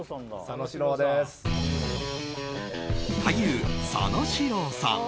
俳優・佐野史郎さん。